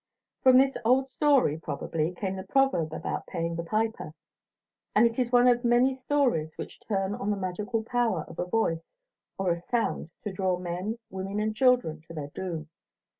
From this old story probably came the proverb about paying the piper; and it is one of many stories which turn on the magical power of a voice or a sound to draw men, women, and children to their doom.